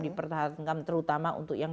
dipertahankan terutama untuk yang